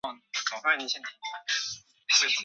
他在刘邦手下为谒者。